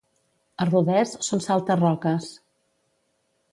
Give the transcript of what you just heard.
A Rodès són salta-roques.